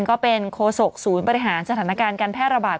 ก็เป็นโคศกศูนย์บริหารสถานการณ์การแพร่ระบาด